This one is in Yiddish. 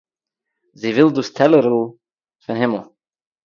זי װיל דאָס טעלערל פֿון הימל.